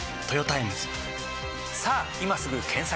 さぁ今すぐ検索！